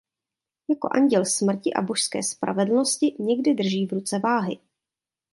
Jako anděl smrti a božské spravedlnosti někdy drží v ruce váhy.